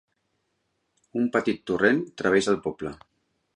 Un petit torrent travessa el poble.